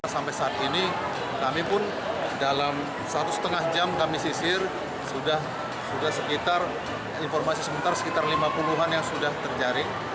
sampai saat ini kami pun dalam satu lima jam kami sisir sudah sekitar lima puluh an yang sudah terjaring